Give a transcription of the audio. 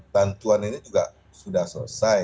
bantuan ini juga sudah selesai